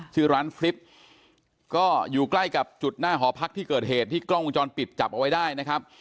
ชื่อร้านคลิปก็อยู่ใกล้กับจุดหน้าหอพักที่เกิดเหตุที่กล้องวงจรปิดจับเอาไว้ได้นะครับ